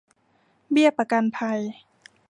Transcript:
เบี้ยประกันภัย